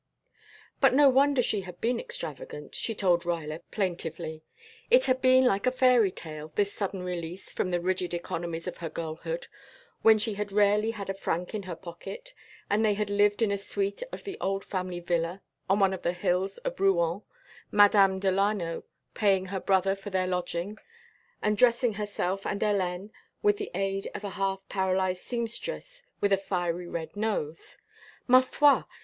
But no wonder she had been extravagant, she told Ruyler plaintively. It had been like a fairy tale, this sudden release from the rigid economies of her girlhood, when she had rarely had a franc in her pocket, and they had lived in a suite of the old family villa on one of the hills of Rouen, Madame Delano paying her brother for their lodging, and dressing herself and Hélène with the aid of a half paralyzed seamstress with a fiery red nose. Ma foi!